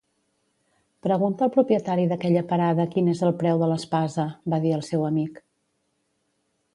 "Pregunta al propietari d'aquella parada quin és el preu de l'espasa", va dir al seu amic.